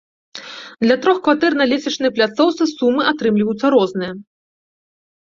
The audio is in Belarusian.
Для трох кватэр на лесвічнай пляцоўцы сумы атрымліваюцца розныя.